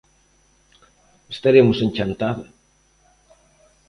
Estaremos en Chantada.